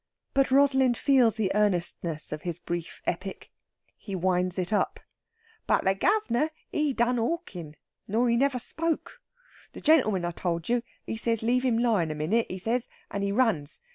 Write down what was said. But Rosalind feels the earnestness of his brief epic. He winds it up: "But the guv'nor, he'd done hoarckin'. Nor he never spoke. The gentleman I told you, he says leave him lyin' a minute, he says, and he runs.